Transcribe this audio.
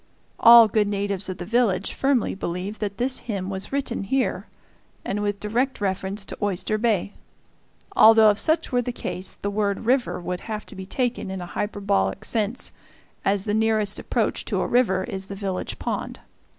All good natives of the village firmly believe that this hymn was written here, and with direct reference to Oyster Bay; although if such were the case the word "river" would have to be taken in a hyperbolic sense, as the nearest approach to a river is the village pond.